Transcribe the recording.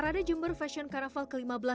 apa senangnya kenapa